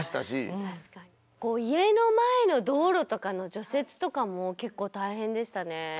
家の前の道路とかの除雪とかも結構大変でしたね。